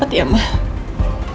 ada beberapa hal yang harus saya capai